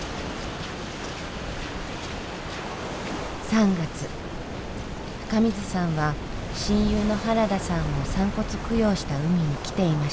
３月深水さんは親友の原田さんを散骨供養した海に来ていました。